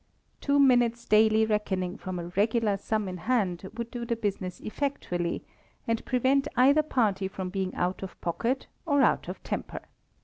Two minutes' daily reckoning from a regular sum in hand would do the business effectually, and prevent either party from being out of pocket or out of temper.